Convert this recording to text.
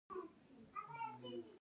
خوشال د ټولو مشر و.